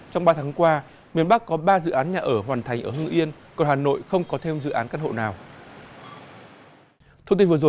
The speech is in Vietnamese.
trong ba tháng qua miền bắc có ba dự án nhà ở hoàn thành ở hưng yên còn hà nội không có thêm dự án căn hộ nào